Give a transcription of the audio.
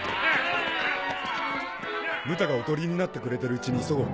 ムタがおとりになってくれてるうちに急ごう。